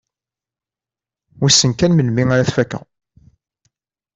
Wissen kan melmi ara t-fakkeɣ.